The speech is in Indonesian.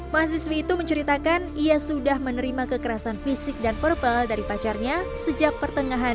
mahasiswi itu menceritakan ia sudah menerima kekerasan fisik dan purple dari pacarnya sejak pertengahan dua ribu dua puluh dua